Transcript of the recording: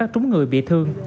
trúng người bị thương